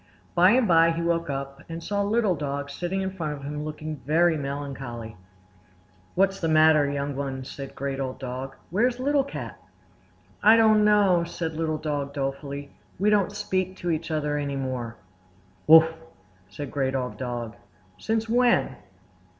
By and by he woke up, and saw Little Dog sitting in front of him looking very melancholy. "What's the matter, young one?" asked Great Old Dog. "Where's Little Cat?" "I don't know!" said Little Dog dolefully. "We don't speak to each other any more." "Wuff!" said Great Old Dog. "Since when?"